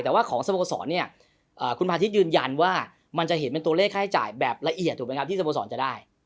แต่ว่าของสโมสรเนี่ยคุณพาทิตยืนยันว่ามันจะเห็นเป็นตัวเลขค่าใช้จ่ายแบบละเอียดถูกไหมครับที่สโมสรจะได้